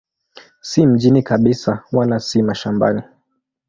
Si mjini kabisa wala si mashambani.